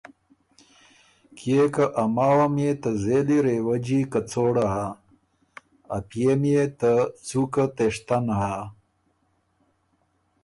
کيې که ا ماوه ميې ته زېلی رېوَجي کڅوړه هۀ، ا پئے ميې ته څُوکه تېشتن هۀ۔